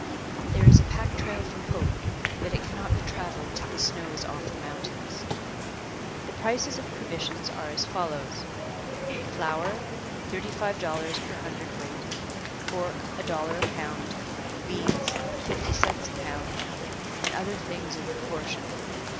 There is a pack trail from Hope, but it cannot be travelled till the snow is off the mountains. The prices of provisions are as follows: flour thirty five dollars per hundred weight, pork a dollar a pound, beans fifty cents a pound, and other things in proportion.